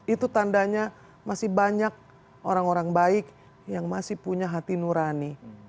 itu tandanya masih banyak orang orang baik yang masih punya hati nurani